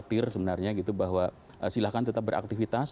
khawatir sebenarnya gitu bahwa silahkan tetap beraktivitas